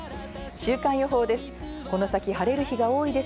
週間予報です。